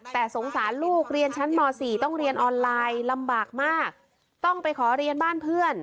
แต่สงสารลูกเรียนชั้นม๔ต้องเรียนออนไลน์ลำบากมากต้องไปขอเรียนบ้านเพื่อน